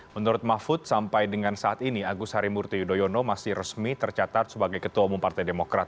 menurut mahfud sampai dengan saat ini agus harimurti yudhoyono masih resmi tercatat sebagai ketua umum partai demokrat